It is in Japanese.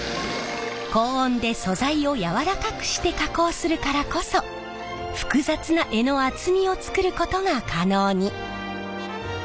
高温で素材を軟らかくして加工するからこそ複雑な柄の厚みを作ることが可能に。